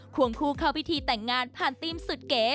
วงคู่เข้าพิธีแต่งงานผ่านธีมสุดเก๋